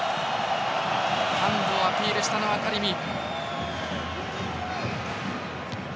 ハンドをアピールしたのはタレミ。